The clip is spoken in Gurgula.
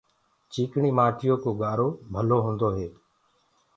چيڪڻي مآٽيو ڪو گآرو ڀلو هوندو هي۔